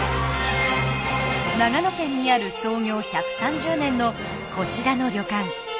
長野県にある創業１３０年のこちらの旅館。